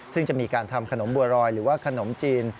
ซึ่งจะมีการทำขนมบัวรอยหรือว่าขนมจีน